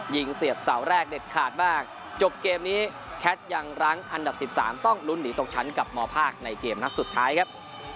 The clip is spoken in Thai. เสียบเสาแรกเด็ดขาดมากจบเกมนี้แคทยังรั้งอันดับ๑๓ต้องลุ้นหนีตกชั้นกับมภาคในเกมนัดสุดท้ายครับ